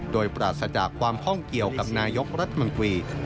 โดยปราศจากความข้องเกี่ยวกับนายกรัฐมนตรี